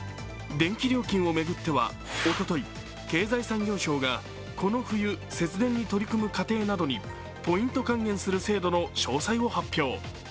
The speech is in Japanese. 電気料金を巡っては、おととい、経済産業省がこの冬、節電に取り組む家庭などにポイント還元する制度の詳細を発表。